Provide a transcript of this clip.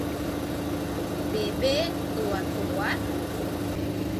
เบ่เบ๊ตั่วตั๋ว